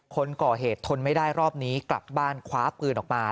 คนก่อเหตุทนไม่ได้รอบนี้กลับบ้านคว้าปืนออกมา